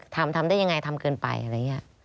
ทำทำได้ยังไงทำเกินไปอะไรอย่างนี้